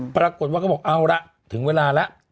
ปรากฏว่าก็บอกเอาละถึงเวลาแล้ว